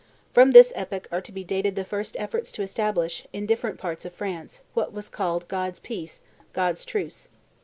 From this epoch are to be dated the first efforts to establish, in different parts of France, what was called God's peace, God's truce.